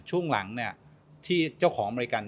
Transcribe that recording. ช่วงหลังที่เจ้าของอเมริกัน